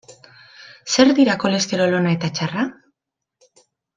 Zer dira kolesterol ona eta txarra?